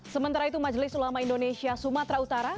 sementara itu majelis ulama indonesia sumatera utara